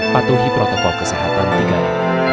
patuhi protokol kesehatan tinggal